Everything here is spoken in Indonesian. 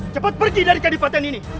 cepat pergi dari kabupaten ini